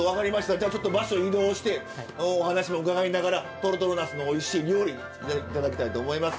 じゃあちょっと場所移動してお話も伺いながらとろとろナスのおいしい料理作って頂きたいと思います。